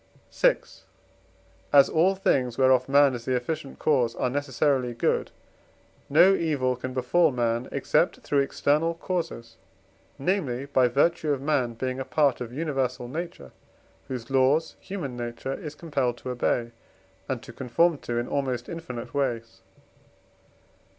VI. As all things whereof man is the efficient cause are necessarily good, no evil can befall man except through external causes; namely, by virtue of man being a part of universal nature, whose laws human nature is compelled to obey, and to conform to in almost infinite ways.